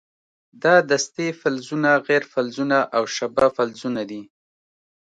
دا دستې فلزونه، غیر فلزونه او شبه فلزونه دي.